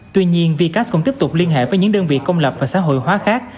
tuy nhiên vks cũng tiếp tục liên hệ với những đơn vị công lập và xã hội hóa khác